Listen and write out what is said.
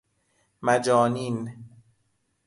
مجانین